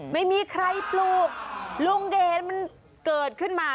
ไม่มีใครปลูกลุงเดชน์มันเกิดขึ้นมา